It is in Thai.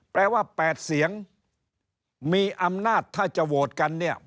แปลว่า๘เสียงมีอำนาจถ้าจะโหวตกันเนี่ย